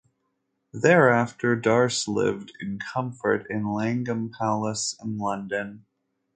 Thereafter, Dacre lived in comfort in Langham Place in London.